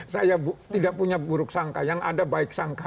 saya tidak punya buruk sangka yang ada baik sangka